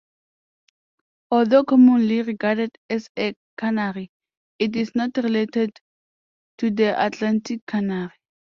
Although commonly regarded as a canary, it is not related to the Atlantic canary.